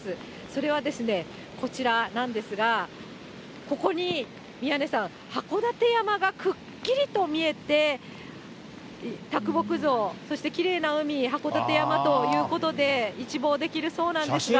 それはこちらなんですが、ここに宮根さん、函館山がくっきりと見えて、啄木像、そしてきれいな海、函館山ということで、一望できるそうなんですが。